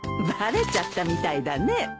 バレちゃったみたいだね。